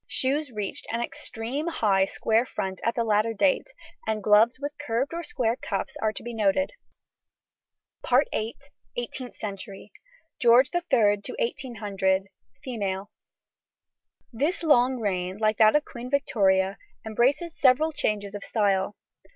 Shoes reached an extreme high square front at the latter date, and gloves with curved or square cuffs are to be noted. [Illustration: FIG. 95. First Half Eighteenth Century.] EIGHTEENTH CENTURY. GEORGE III TO 1800. FEMALE. This long reign, like that of Queen Victoria, embraces several changes of style.